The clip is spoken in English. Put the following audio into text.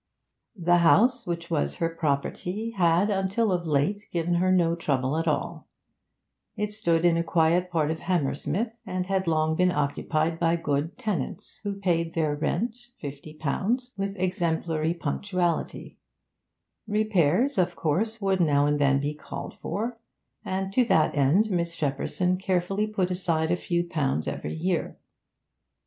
The house which was her property had, until of late, given her no trouble at all; it stood in a quiet part of Hammersmith, and had long been occupied by good tenants, who paid their rent (fifty pounds) with exemplary punctuality; repairs, of course, would now and then be called for, and to that end Miss Shepperson carefully put aside a few pounds every year.